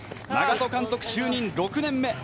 長門監督就任６年目。